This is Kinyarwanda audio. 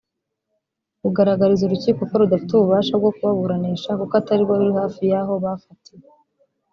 bagaragariza urukiko ko rudafite ububasha bwo kubaburanisha kuko atari rwo ruri hafi y’aho bafatiwe